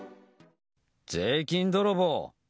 税金泥棒！